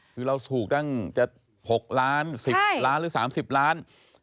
คือเราถูกตั้งจะ๖ล้าน๑๐ล้านหรือ๓๐ล้าน